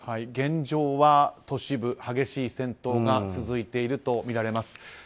現状は都市部激しい戦闘が続いているとみられます。